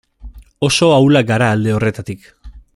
Oso ahulak gara alde horretatik.